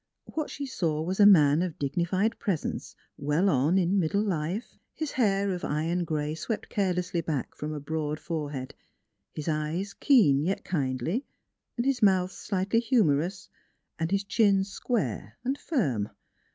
What she saw was a man of dignified presence, well on in middle life, his hair of iron gray swept carelessly back from a broad fore head, his eyes keen yet kindly, his mouth slightly humorous, and his chin square and firm.